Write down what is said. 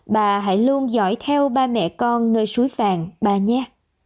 ba hãy luôn dõi theo ba mẹ con nơi suối vàng ba nha